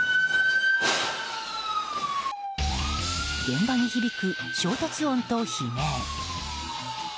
現場に響く衝突音と悲鳴。